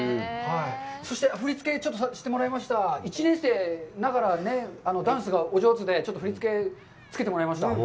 そして、振りつけをしてもらいました、１年生ながらね、ダンスがお上手で、ちょっと振りつけ、つけてもらいました。